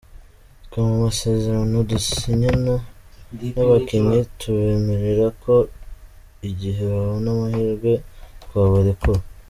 Twe mu masezerano dusinyana n’abakinnyi tubemerera ko igihe babona amahirwe twabarekura.